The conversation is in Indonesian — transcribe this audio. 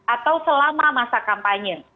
atau selama masa kampanye